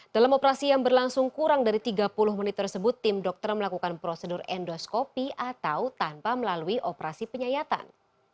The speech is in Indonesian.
dalam operasi yang berlangsung kurang dari tiga puluh menit tersebut tim dokter melakukan prosedur endoskopi atau tanpa melalui operasi penyayatan